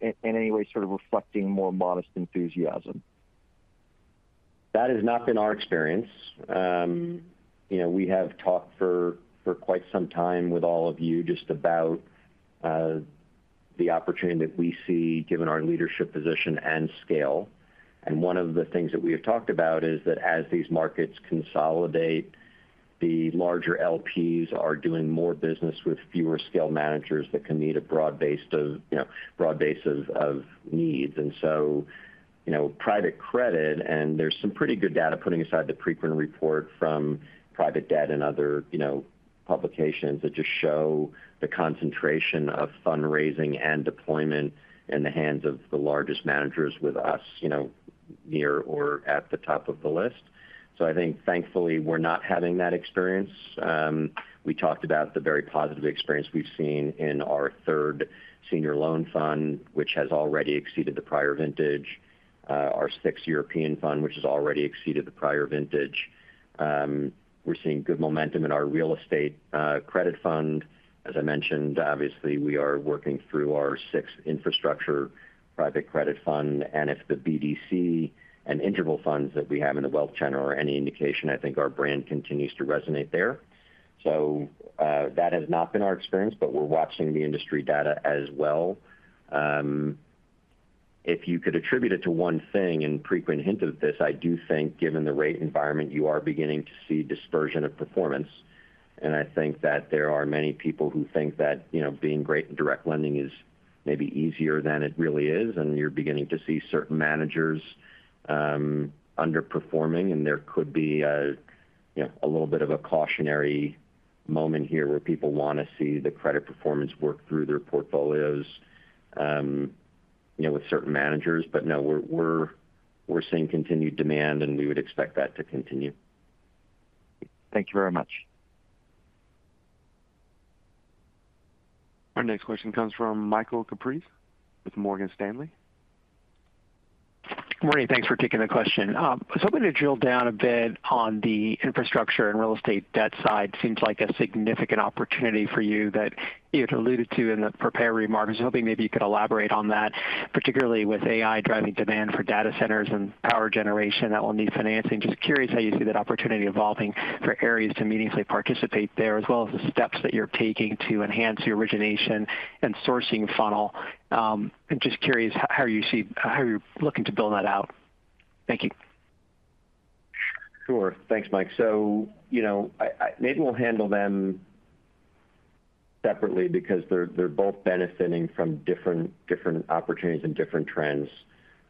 in any way, sort of reflecting more modest enthusiasm? That has not been our experience. You know, we have talked for quite some time with all of you just about the opportunity that we see given our leadership position and scale. And one of the things that we have talked about is that as these markets consolidate, the larger LPs are doing more business with fewer scale managers that can meet a broad base of, you know, needs. And so, you know, private credit, and there's some pretty good data, putting aside the Preqin report from private debt and other, you know, publications, that just show the concentration of fundraising and deployment in the hands of the largest managers with us, you know, near or at the top of the list. So I think thankfully, we're not having that experience. We talked about the very positive experience we've seen in our third senior loan fund, which has already exceeded the prior vintage. Our sixth European fund, which has already exceeded the prior vintage. We're seeing good momentum in our real estate credit fund. As I mentioned, obviously, we are working through our sixth infrastructure private credit fund, and if the BDC and interval funds that we have in the wealth channel are any indication, I think our brand continues to resonate there. So, that has not been our experience, but we're watching the industry data as well. If you could attribute it to one thing, and Preqin hinted at this, I do think given the rate environment, you are beginning to see dispersion of performance. I think that there are many people who think that, you know, being great in direct lending is maybe easier than it really is, and you're beginning to see certain managers underperforming, and there could be a, you know, a little bit of a cautionary moment here, where people want to see the credit performance work through their portfolios. You know, with certain managers. But no, we're seeing continued demand, and we would expect that to continue. Thank you very much. Our next question comes from Michael Cyprys with Morgan Stanley. Morning. Thanks for taking the question. I was hoping to drill down a bit on the infrastructure and real estate debt side. Seems like a significant opportunity for you that you had alluded to in the prepared remarks. I was hoping maybe you could elaborate on that, particularly with AI driving demand for data centers and power generation that will need financing. Just curious how you see that opportunity evolving for Ares to meaningfully participate there, as well as the steps that you're taking to enhance your origination and sourcing funnel. I'm just curious, how you're looking to build that out. Thank you. Sure. Thanks, Mike. So, you know, maybe we'll handle them separately because they're both benefiting from different opportunities and different trends.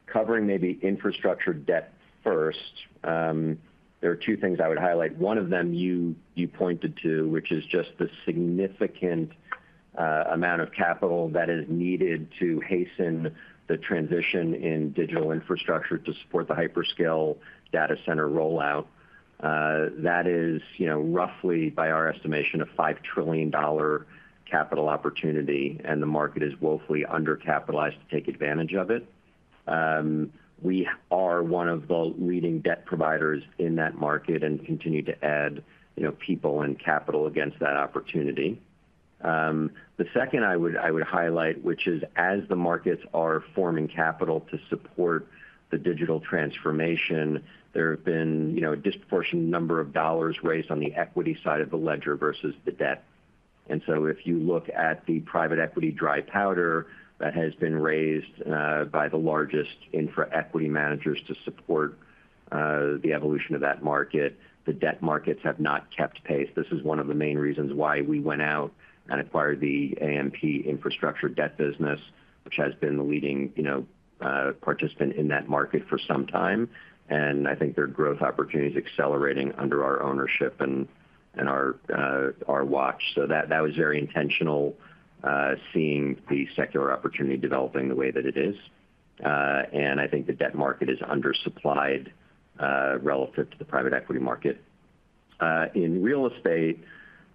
Covering maybe infrastructure debt first, there are two things I would highlight. One of them, you pointed to, which is just the significant amount of capital that is needed to hasten the transition in digital infrastructure to support the hyperscale data center rollout. That is, you know, roughly, by our estimation, a $5 trillion capital opportunity, and the market is woefully undercapitalized to take advantage of it. We are one of the leading debt providers in that market and continue to add, you know, people and capital against that opportunity. The second I would, I would highlight, which is as the markets are forming capital to support the digital transformation, there have been, you know, a disproportionate number of dollars raised on the equity side of the ledger versus the debt. And so if you look at the private equity dry powder that has been raised, by the largest infra equity managers to support, the evolution of that market, the debt markets have not kept pace. This is one of the main reasons why we went out and acquired the AMP infrastructure debt business, which has been the leading, you know, participant in that market for some time. And I think their growth opportunity is accelerating under our ownership and, and our, our watch. So that, that was very intentional, seeing the secular opportunity developing the way that it is. And I think the debt market is undersupplied, relative to the private equity market. In real estate,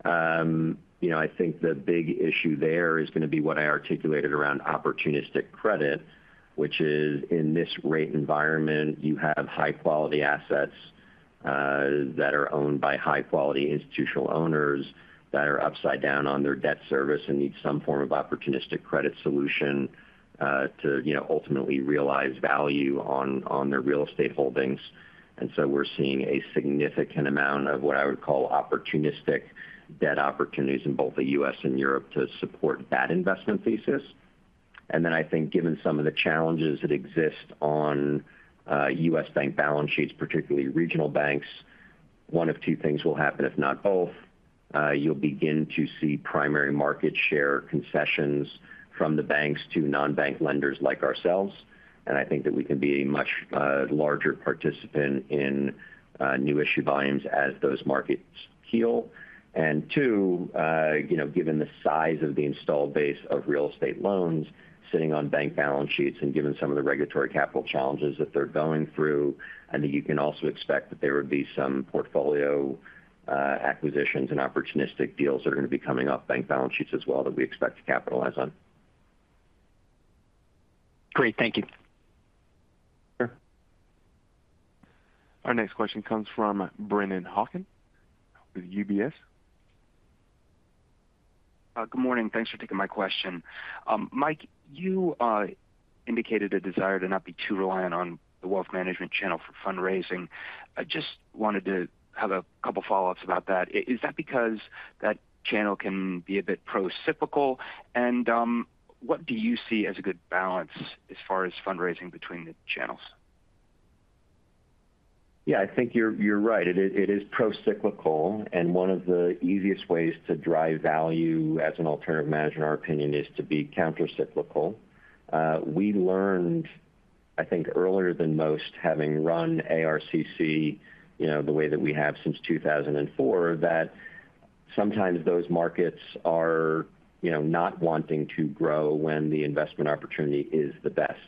you know, I think the big issue there is going to be what I articulated around opportunistic credit, which is in this rate environment, you have high-quality assets that are owned by high-quality institutional owners, that are upside down on their debt service and need some form of opportunistic credit solution, to you know, ultimately realize value on their real estate holdings. And so we're seeing a significant amount of what I would call opportunistic debt opportunities in both the U.S. and Europe to support that investment thesis. And then I think given some of the challenges that exist on U.S. bank balance sheets, particularly regional banks, one of two things will happen, if not both. You'll begin to see primary market share concessions from the banks to non-bank lenders like ourselves, and I think that we can be a much larger participant in new issue volumes as those markets heal. And two, you know, given the size of the installed base of real estate loans sitting on bank balance sheets and given some of the regulatory capital challenges that they're going through, I think you can also expect that there would be some portfolio acquisitions and opportunistic deals that are going to be coming off bank balance sheets as well, that we expect to capitalize on. Great. Thank you. Sure. Our next question comes from Brennan Hawken with UBS. Good morning. Thanks for taking my question. Mike, you indicated a desire to not be too reliant on the wealth management channel for fundraising. Is that because that channel can be a bit procyclical? And, what do you see as a good balance as far as fundraising between the channels? Yeah, I think you're right. It is procyclical, and one of the easiest ways to drive value as an alternative manager, in our opinion, is to be countercyclical. We learned, I think, earlier than most, having run ARCC, you know, the way that we have since 2004, that sometimes those markets are, you know, not wanting to grow when the investment opportunity is the best.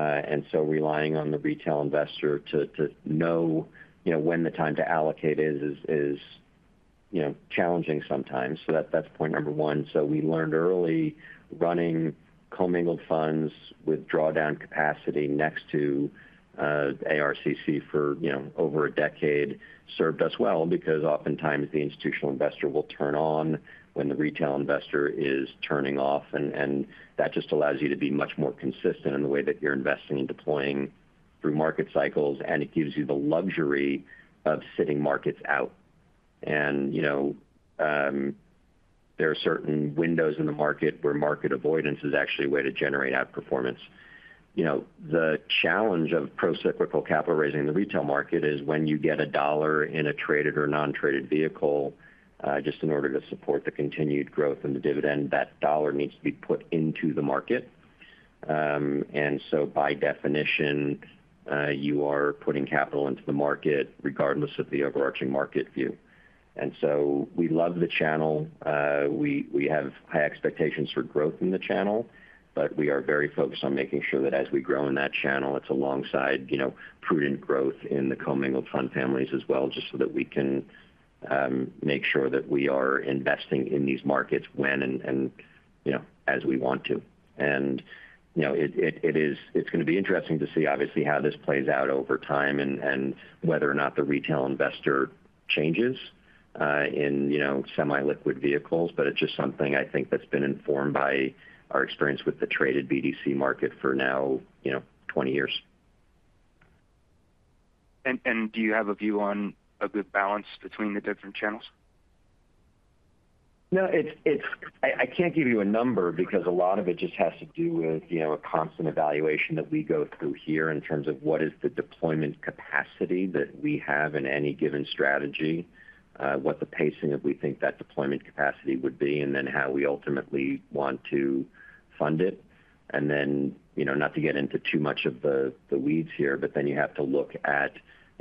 And so relying on the retail investor to know, you know, when the time to allocate is, you know, challenging sometimes. So that's point number one. So we learned early, running commingled funds with drawdown capacity next to ARCC for, you know, over a decade, served us well because oftentimes the institutional investor will turn on when the retail investor is turning off, and that just allows you to be much more consistent in the way that you're investing and deploying through market cycles, and it gives you the luxury of sitting markets out. You know, there are certain windows in the market where market avoidance is actually a way to generate outperformance... you know, the challenge of procyclical capital raising in the retail market is when you get a dollar in a traded or non-traded vehicle, just in order to support the continued growth in the dividend, that dollar needs to be put into the market. And so by definition, you are putting capital into the market regardless of the overarching market view. And so we love the channel. We have high expectations for growth in the channel, but we are very focused on making sure that as we grow in that channel, it's alongside, you know, prudent growth in the commingled fund families as well, just so that we can make sure that we are investing in these markets when and, you know, as we want to. And, you know, it's gonna be interesting to see obviously, how this plays out over time and whether or not the retail investor changes in, you know, semi-liquid vehicles. But it's just something I think that's been informed by our experience with the traded BDC market for now, 20 years. And do you have a view on a good balance between the different channels? No, it's, I can't give you a number because a lot of it just has to do with, you know, a constant evaluation that we go through here in terms of what is the deployment capacity that we have in any given strategy, what the pacing of we think that deployment capacity would be, and then how we ultimately want to fund it. And then, you know, not to get into too much of the weeds here, but then you have to look at,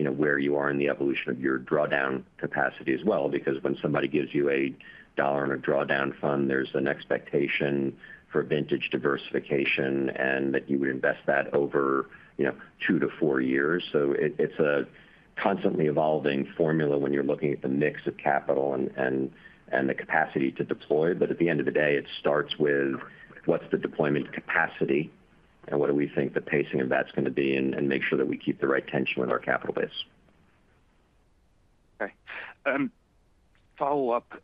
you know, where you are in the evolution of your drawdown capacity as well, because when somebody gives you a dollar in a drawdown fund, there's an expectation for vintage diversification and that you would invest that over, you know, two to four years. So it's a constantly evolving formula when you're looking at the mix of capital and the capacity to deploy. But at the end of the day, it starts with: what's the deployment capacity, and what do we think the pacing of that's gonna be, and make sure that we keep the right tension with our capital base. Okay. Follow-up.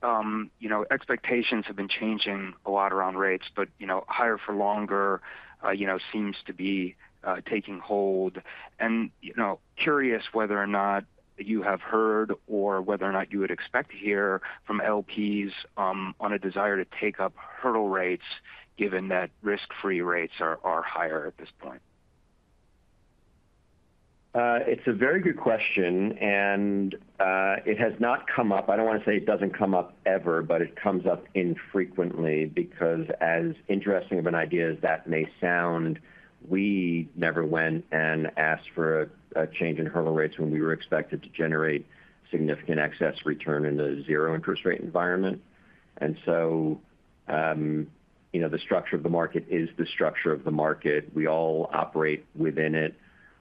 You know, expectations have been changing a lot around rates, but, you know, higher for longer seems to be taking hold. You know, curious whether or not you have heard, or whether or not you would expect to hear from LPs on a desire to take up hurdle rates, given that risk-free rates are higher at this point. It's a very good question, and it has not come up. I don't want to say it doesn't come up ever, but it comes up infrequently because as interesting of an idea as that may sound, we never went and asked for a change in hurdle rates when we were expected to generate significant excess return in a zero interest rate environment. And so, the structure of the market is the structure of the market. We all operate within it.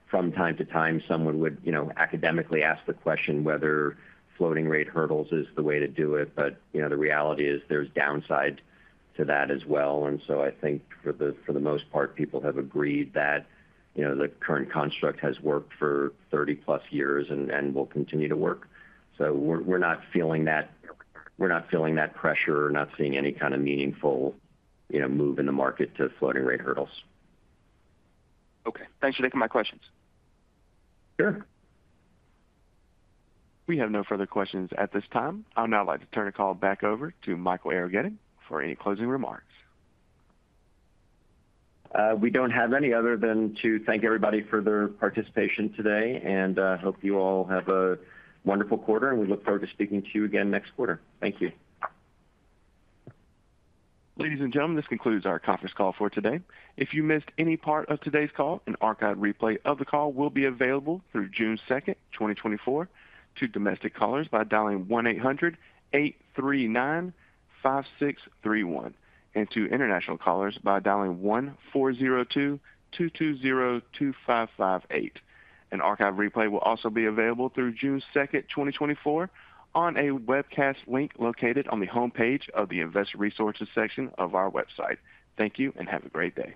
From time to time, someone would, you know, academically ask the question whether floating rate hurdles is the way to do it. But, you know, the reality is there's downside to that as well. And so I think for the most part, people have agreed that, you know, the current construct has worked for 30+ years and will continue to work. So we're not feeling that pressure or not seeing any kind of meaningful, you know, move in the market to floating rate hurdles. Okay. Thanks for taking my questions. Sure. We have no further questions at this time. I'd now like to turn the call back over to Michael Arougheti for any closing remarks. We don't have any other than to thank everybody for their participation today, and hope you all have a wonderful quarter, and we look forward to speaking to you again next quarter. Thank you. Ladies and gentlemen, this concludes our conference call for today. If you missed any part of today's call, an archive replay of the call will be available through June 2, 2024, to domestic callers by dialing 1-800-839-5631 and to international callers by dialing 1-402-222-0558. An archive replay will also be available through June 2, 2024, on a webcast link located on the homepage of the Investor Resources section of our website. Thank you, and have a great day.